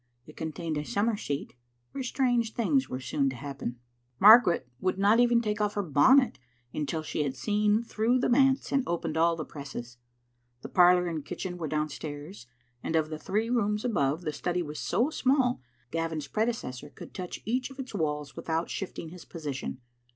It contained a summer seat, where strange things were soon to happen. Margaret would not even take off her bonnet until she had seen through the manse and opened all the presses. The parlour and kitchen were downstairs, and of the three rooms above, the study was so small that Gavin's predecessor could touch each of its walls without shift ing his position.